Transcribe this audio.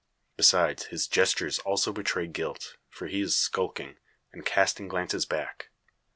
Besides, his gestures also betray guilt; for he is skulking, and casting glances back.